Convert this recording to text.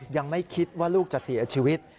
ยังไม่คิดว่าลูกจะเสียชีวิต